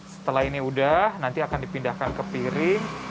setelah ini udah nanti akan dipindahkan ke piring